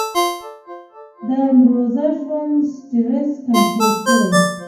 د امروزه ژوند سټرېس کنټرول کړي -